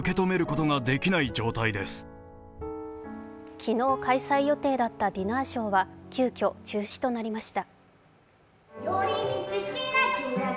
昨日開催予定だったディナーショーは急きょ、中止となりました。